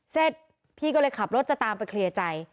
เสร็จพี่ก็เลยขับรถจะตามไปเคลียร์ใจ